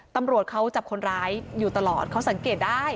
ตำรวจเขาจับคนร้ายอยู่ตลอดเขาสังเกตได้